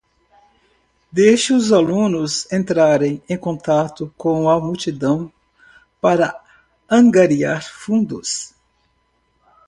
Deixe os alunos entrarem em contato com a multidão para angariar fundos